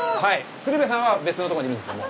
鶴瓶さんは別のとこにいるんですけども。